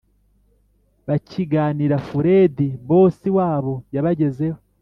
bakiganira furedi bosi wabo yabagezeho